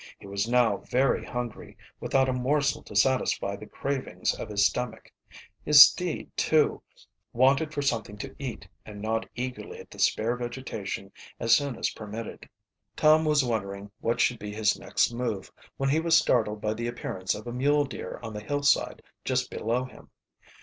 He was now very hungry, without a morsel to satisfy the cravings of his stomach. His steed, too, wanted for something to eat, and gnawed eagerly at the spare vegetation as soon as permitted. Tom was wondering what should be his next move when he was startled by the appearance of a mule deer on the hillside just below him.